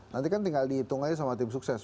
nanti kan tinggal dihitung aja sama tim sukses